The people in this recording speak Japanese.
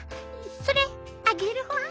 それあげるホワ。